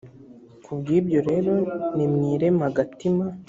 ku bwibyo rero nimwireme agatima .